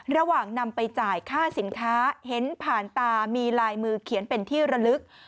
นำไปจ่ายค่าสินค้าเห็นผ่านตามีลายมือเขียนเป็นที่ระลึก